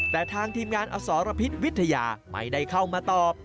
แต่ทางทีมงานอสรพิษวิทยาไม่ได้เข้ามาตอบ